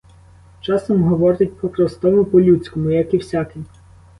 Часом говорить по-простому, по-людському, як і всякий.